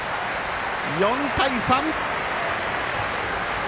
４対３。